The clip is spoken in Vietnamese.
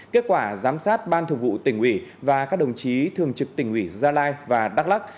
kết quả giám sát ban thường vụ tỉnh ủy và các đồng chí thường trực tỉnh ủy gia lai và đắk lắc